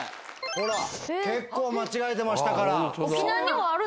ほら結構間違えてましたから。